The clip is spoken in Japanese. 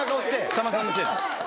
さんまさんのせい。